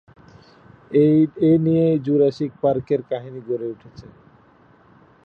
এ নিয়েই জুরাসিক পার্কের কাহিনী গড়ে উঠেছে।